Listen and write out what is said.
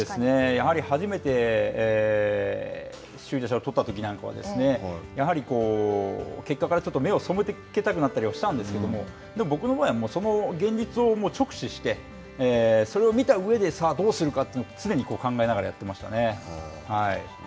やはり初めて首位打者を取ったときなんかはやはり結果からちょっと目を背けたくなったりはしたんですけど、僕の場合は、その現実を直視してそれを見た上でさあ、どうするかというのを常に考えながらやっていましたね。